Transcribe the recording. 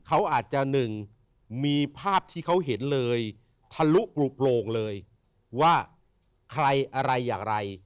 เขาอาจจะหนึ่งมีภาพที่เขาเห็นเลยทะลุกโลงเลยว่าใครอะไรอย่างไร